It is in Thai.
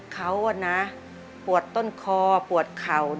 เขาปวดต้นคอปวดเข่า